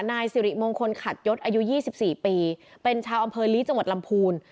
นายสิริมงคลขัดยศอายุ๒๔ปีเป็นชาวอำเภอลีจังหวัดลำพูน